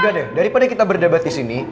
udah deh daripada kita berdebat disini